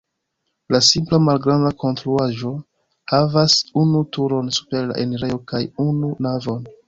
La simpla, malgranda konstruaĵo havas unu turon super la enirejo kaj unu navon.